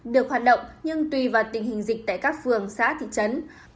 được hoạt động nhưng tùy vào tình hình dịch tại các phường xã thị trấn